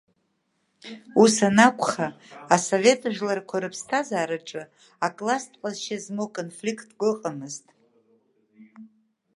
Ус анакәха, асовет жәларқәа рыԥсҭазаараҿы акласстә ҟазшьа змоу конфликт ыҟамызт.